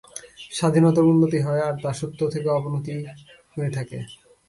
স্বাধীনতার উন্নতি হয়, আর দাসত্ব থেকে অবনতিই হয়ে থাকে।